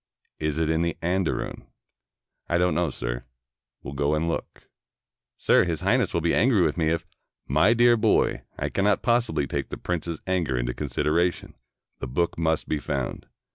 "Is it in the andarun?" "I don't know, sir." "Go and look." "Sir, His Highness will be angry with me, if —" "My dear boy, I cannot possibly take the prince's anger into consideration. The book must be found.